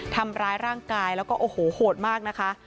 ทำร้ายร่างกายแล้วก็โอ้โหโหดมากนะคะ